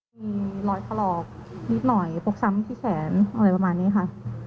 มีรอยถลอกนิดหน่อยฟกช้ำที่แขนอะไรประมาณนี้ค่ะ